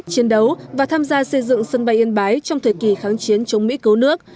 chiến đấu và tham gia xây dựng sân bay yên bái trong thời kỳ kháng chiến chống mỹ cứu nước